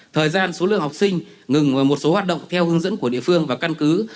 thời gian số lượng học sinh ngừng một số hoạt động theo hướng dẫn của địa phương và căn cứ